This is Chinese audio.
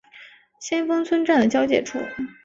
先锋村站的交界处。